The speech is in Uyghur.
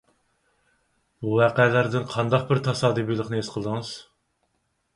بۇ ۋەقەلەردىن قانداق بىر تاسادىپىيلىقنى ھېس قىلدىڭىز؟